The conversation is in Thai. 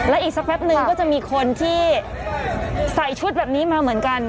และอีกสักแป๊บนึงก็จะมีคนที่ใส่ชุดแบบนี้มาเหมือนกัน